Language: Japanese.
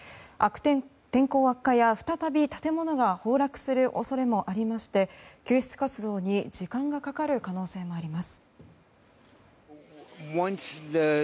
天候悪化や、再び建物が崩落する恐れもありまして救出活動に時間がかかる可能性もあります。